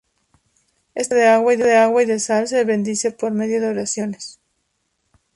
Esta mezcla de agua y de sal se bendice por medio de oraciones.